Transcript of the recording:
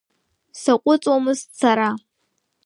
Саҟәыҵуамызт сара.